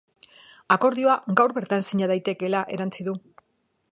Akordioa gaur bertan sinatu daitekeela erantsi du.